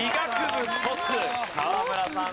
河村さん